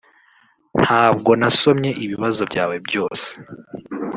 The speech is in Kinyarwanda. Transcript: ntabwo nasomye ibibazo byawe byose